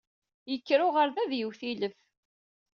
Yekker uɣerda ad yewwet ilef.